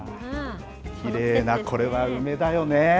きれいな、これは梅だよね。